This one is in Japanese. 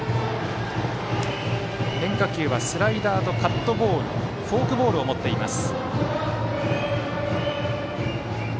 変化球はスライダーとカットボールフォークボールを持っています。